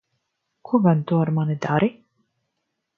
Ko gan tu ar mani dari?